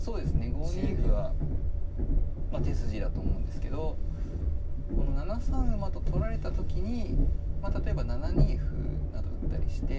５二歩は手筋だと思うんですけどこの７三馬と取られた時に例えば７二歩など打ったりして。